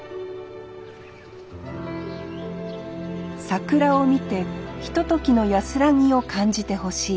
桜を見てひとときの安らぎを感じてほしい。